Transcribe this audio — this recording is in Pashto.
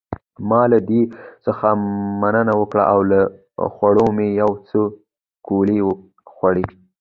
ما له دې څخه مننه وکړ او له خوړو مې یو څو ګولې وخوړې.